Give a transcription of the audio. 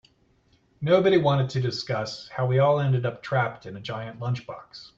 Nobody wanted to discuss how we all ended up trapped in a giant lunchbox.